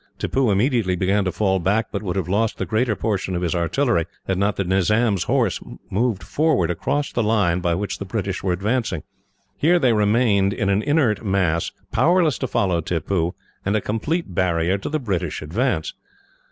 Tippoo immediately began to fall back, but would have lost the greater portion of his artillery, had not the Nizam's horse moved forward across the line by which the British were advancing. Here they remained in an inert mass, powerless to follow Tippoo, and a complete barrier to the British advance.